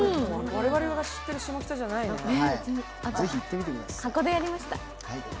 我々が知っている下北じゃないですね。